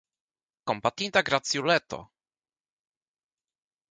Kompatinda graciuleto!